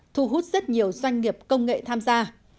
thu hút rất nhiều doanh nghiệp công nghệ tham gia